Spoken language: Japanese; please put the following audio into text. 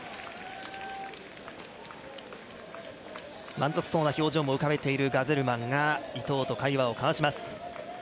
満足そうな表情も浮かべているガゼルマンが伊藤と会話をします。